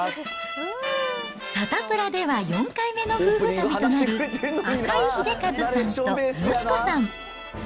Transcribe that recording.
サタプラでは４回目の夫婦旅となる、赤井英和さんと佳子さん。